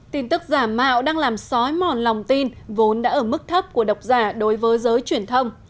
tin tức giả mạo đang làm sói mòn lòng tin vốn đã ở mức thấp của độc giả đối với giới truyền thông